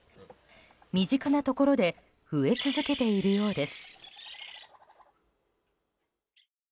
身近なところで増え続けているようです。